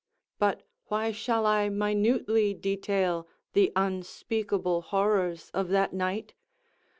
But why shall I minutely detail the unspeakable horrors of that night?